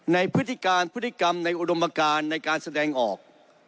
พฤติการพฤติกรรมในอุดมการในการแสดงออก